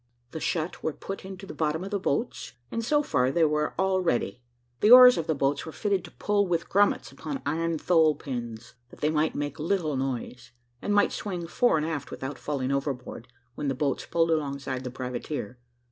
The shut were put into the bottom of the boats; and so far they were all ready. The oars of the boats were fitted to pull with grummets upon iron thole pins, that they might make little noise, and might swing fore and aft without falling overboard, when the boats pulled alongside the privateer.